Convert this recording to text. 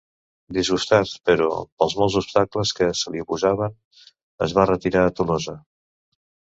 Disgustat, però, pels molts obstacles que se li oposaven, es retirà a Tolosa.